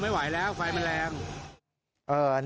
มีความรู้สึกว่าเกิดอะไรขึ้น